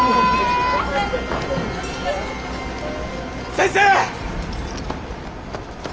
先生！